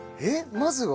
まずは？